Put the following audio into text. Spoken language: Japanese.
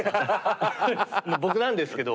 僕なんですけど。